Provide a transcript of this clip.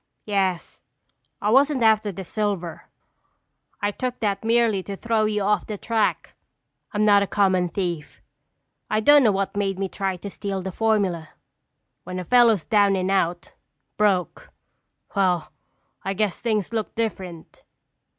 "Yes, I wasn't after the silver. I took that merely to throw you off the track. I'm not a common thief. I don't know what made me try to steal the formula. When a fellow's down and out—broke—well, I guess things look different."